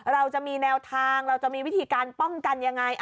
เราจะมีแนวทางเราจะมีวิธีการป้องกันยังไง